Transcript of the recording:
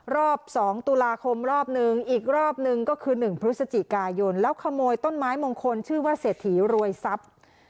รอบ๒ตุลาคมรอบนึงอีกรอบนึงก็คือ๑พฤศจิกายนแล้วขโมยต้นไม้มงคลชื่อว่าเศรษฐีรวยทรัพย์